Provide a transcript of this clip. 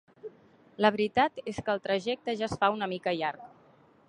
La veritat és que el trajecte ja es fa una mica llarg.